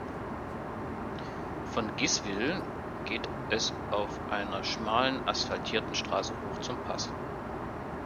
Von Giswil geht es auf einer schmalen, asphaltierten Strasse hoch zum Pass.